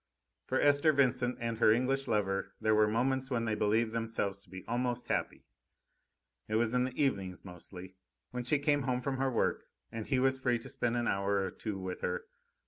For Esther Vincent and her English lover there were moments when they believed themselves to be almost happy. It was in the evenings mostly, when she came home from her work and he was free to spend an hour or two with her.